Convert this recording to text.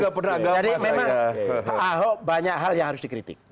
jadi memang ahok banyak hal yang harus dikritik